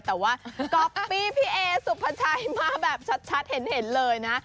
แต่ว่าก๊อปปี้พี่เอสุภาชัยมาแบบชัดเห็นเลยนะ